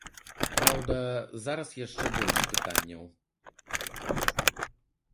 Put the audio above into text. Праўда, зараз яшчэ больш пытанняў.